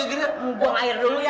buang air dulu ya